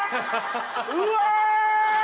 うわ！